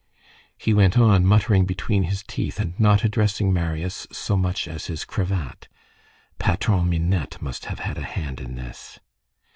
He went on, muttering between his teeth, and not addressing Marius so much as his cravat:— "Patron Minette must have had a hand in this."